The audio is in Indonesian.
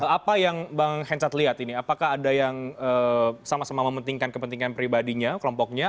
apa yang bang hencat lihat ini apakah ada yang sama sama mementingkan kepentingan pribadinya kelompoknya